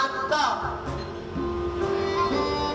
cinta adalah putir bermata